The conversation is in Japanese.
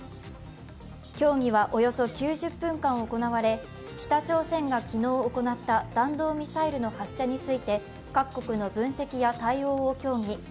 協議はおよそ９０分間行われ北朝鮮が昨日行った弾道ミサイルの発射について各国の分析や対応を協議。